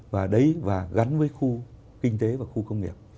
và đấy và gắn với khu kinh tế và khu công nghiệp